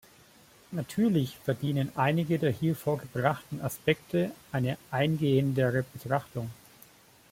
Natürlich verdienen einige der hier vorgebrachten Aspekte eine eingehendere Betrachtung.